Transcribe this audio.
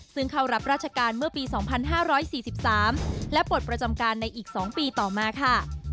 ซึ่งเข้ารับราชการเมื่อปี๒๕๔๓และปลดประจำการในอีก๒ปีต่อมาค่ะ